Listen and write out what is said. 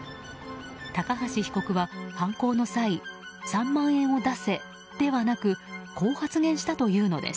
高橋被告は犯行の際３万円を出せではなくこう発言したというのです。